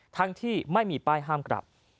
ทั้งที่ไม่มีป้ายห้ามกลับ